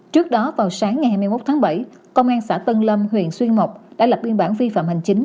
trước đó vào sáng ngày hai mươi một tháng bảy công an xã tân lâm huyện xuyên mộc đã lập biên bản vi phạm hành chính